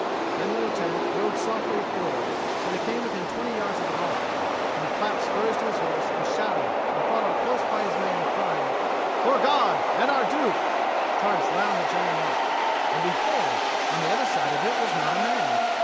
Then the Lieutenant rode softly forward till he came within twenty yards of the rock, and he clapped spurs to his horse and shouted, and, followed close by his men crying, "For God and our Duke!" charged round the jutting rock. And behold, on the other side of it was not a man!